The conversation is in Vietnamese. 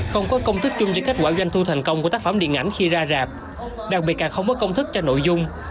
không có công thức chung cho kết quả doanh thu thành công của tác phẩm điện ảnh khi ra rạp đặc biệt là không có công thức cho nội dung